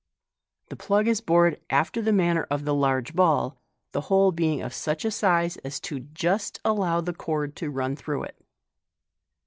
The plug is bored after the manner of the large ball, the hole being of such a size as to just allow the cord to run through it.